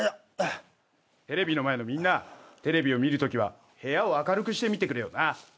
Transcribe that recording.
テレビの前のみんなテレビを見るときは部屋を明るくして見てくれよな。